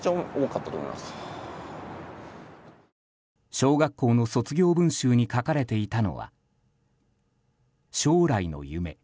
小学校の卒業文集に書かれていたのは将来の夢。